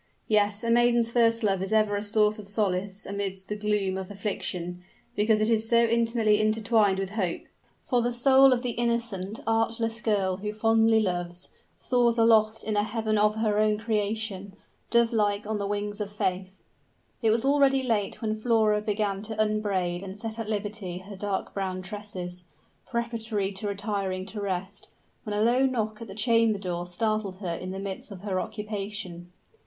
Yes, a maiden's first love is ever a source of solace amidst the gloom of affliction; because it is so intimately intertwined with hope! For the soul of the innocent, artless girl who fondly loves, soars aloft in a heaven of her own creation, dove like on the wings of faith! It was already late when Flora began to unbraid and set at liberty her dark brown tresses, preparatory to retiring to rest, when a low knock at the chamber door startled her in the midst of her occupation.